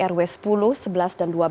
rw sepuluh sebelas dan dua belas